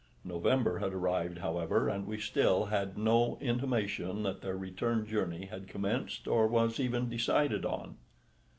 November had arrived, however, and we still had no intimation that their return journey had commenced or was even decided on.